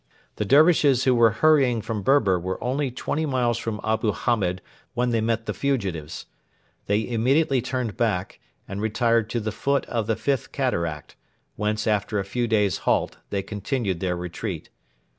The Dervishes who were hurrying from Berber were only twenty miles from Abu Hamed when they met the fugitives. They immediately turned back, and retired to the foot of the Fifth Cataract, whence after a few days' halt they continued their retreat.